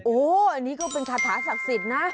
โอ้นี่ก็คือคาถย์ศักดิ์ศิลป์นะ